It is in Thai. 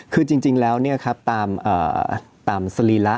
คือจริงแล้วตามสรีระ